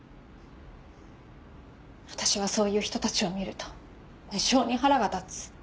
私はそういう人たちを見ると無性に腹が立つ。